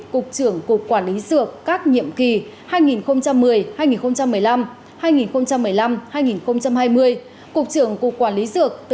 cục trưởng cục quản lý dược các nhiệm kỳ hai nghìn một mươi hai nghìn một mươi năm hai nghìn một mươi năm hai nghìn hai mươi cục trưởng cục quản lý dược